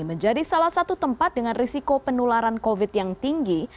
menjadi salah satu tempat dengan risiko penularan covid yang tinggi